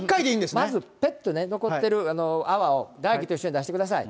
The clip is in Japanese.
まずね、ぺってね、残ってる泡を唾液と一緒に出してください。